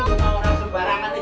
mau langsung barang barang nih jadi